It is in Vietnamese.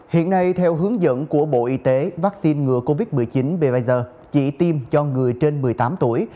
hiện nay theo hướng dẫn của bộ y tế vaccine ngừa covid một mươi chín bvers chỉ tiêm cho người trên một mươi tám tuổi